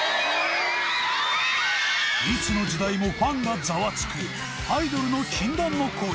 いつの時代もファンがザワつくアイドルの禁断の恋。